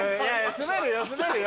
滑るよ滑るよ。